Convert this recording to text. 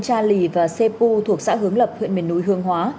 cha lì và xê pu thuộc xã hướng lập huyện miền núi hương hóa